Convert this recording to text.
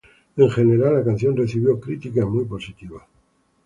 En general, la canción recibió críticas muy positivas.